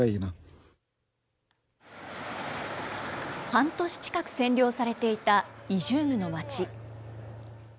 半年近く占領されていたイジュームの街。